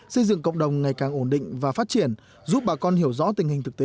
xây dựng cộng đồng ngày càng ổn định và phát triển giúp bà con hiểu rõ tình hình thực tế